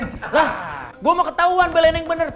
lah gua mau ketauan beleneng bener